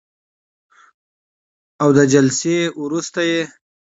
او د جلسې وروسته یې